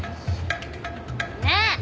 ねえ！